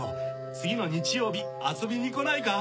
次の日曜日遊びに来ないか？